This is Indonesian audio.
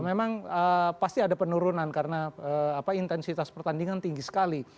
memang pasti ada penurunan karena intensitas pertandingan tinggi sekali